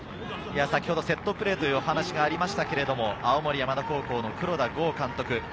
先ほどセットプレーというお話がありましたが、青森山田高校の黒田剛監督。